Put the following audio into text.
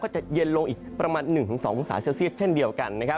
จะเย็นลงอีกประมาณ๑๒องศาเซลเซียตเช่นเดียวกัน